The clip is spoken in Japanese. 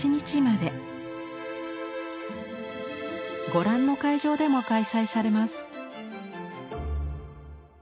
ご覧の会場でも開催されます。